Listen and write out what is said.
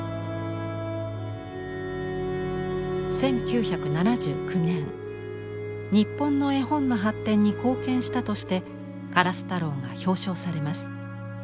１９７９年日本の絵本の発展に貢献したとして「からすたろう」が表彰されます。